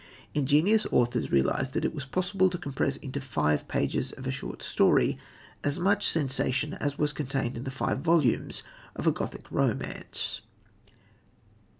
Ingenious authors realised that it was possible to compress into the five pages of a short story as much sensation as was contained in the five volumes of a Gothic romance.